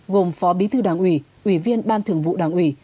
gồm phó bí thư đảng ủy ủy viên ban thường vụ đảng ủy